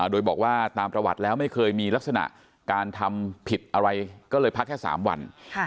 โดยบอกว่าตามประวัติแล้วไม่เคยมีลักษณะการทำผิดอะไรก็เลยพักแค่๓วัน